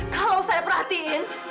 kalau saya perhatiin